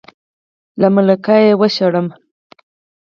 له ملکه یې وشړم.